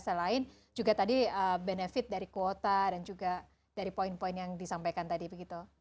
selain juga tadi benefit dari kuota dan juga dari poin poin yang disampaikan tadi begitu